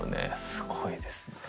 すごいですね。